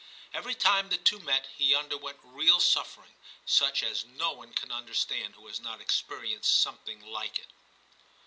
Every time the two met he underwent real suffering, such as no one can understand who has not experienced something like it.